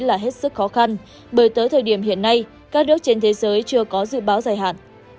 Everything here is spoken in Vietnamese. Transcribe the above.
là hết sức khó khăn bởi tới thời điểm hiện nay các nước trên thế giới chưa có dự báo dài hạn